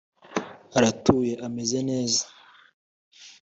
aratuye ameze neza